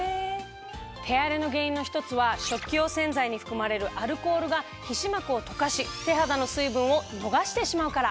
手荒れの原因の１つは食器用洗剤に含まれるアルコールが皮脂膜を溶かし手肌の水分を逃してしまうから。